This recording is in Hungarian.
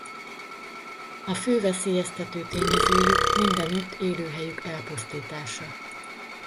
A fő veszélyeztető tényezőjük mindenütt élőhelyük elpusztítása.